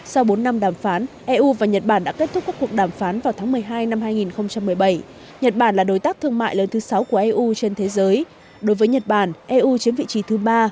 sau bốn năm đàm phán eu và nhật bản đã kết thúc các cuộc đàm phán vào tháng một mươi hai năm hai nghìn một mươi bảy nhật bản là đối tác thương mại lớn thứ sáu của eu trên thế giới đối với nhật bản eu chiếm vị trí thứ ba